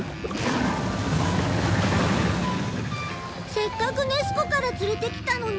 せっかくネス湖から連れてきたのに。